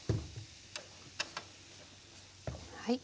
はい。